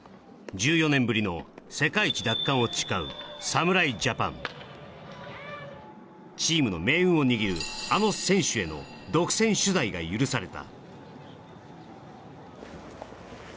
１４年ぶりの世界一奪還を誓うチームの命運を握るあの選手への独占取材が許された